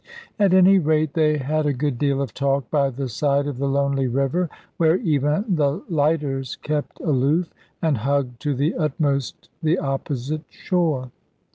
At any rate they had a good deal of talk by the side of the lonely river, where even the lighters kept aloof, and hugged to the utmost the opposite shore.